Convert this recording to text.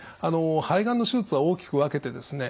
肺がんの手術は大きく分けてですね